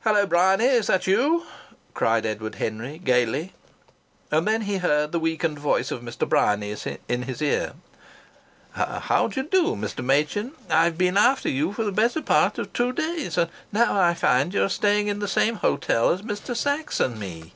"Hello! Bryany! Is that you?" cried Edward Henry, gaily. And then he heard the weakened voice of Mr. Bryany in his ear: "How d'ye do, Mr. Machin? I've been after you for the better part of two days, and now I find you're staying in the same hotel as Mr. Sachs and me!"